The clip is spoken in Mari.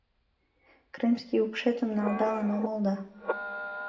Крымский упшетым налдалын омыл да